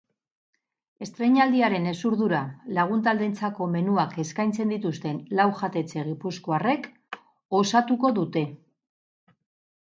Estreinaldiaren hezurdura lagun-taldeentzako menuak eskaintzen dituzten lau jatetxe gipuzkoarrek osatuko dute.